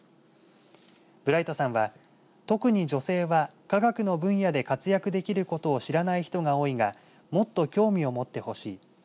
ブライトさんは特に、女性は科学の分野で活躍できることを知らない人が多いがもっと興味を持ってほしい。